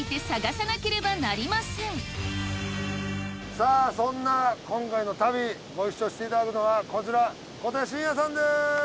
さあそんな今回の旅ご一緒していただくのはこちら小手伸也さんです。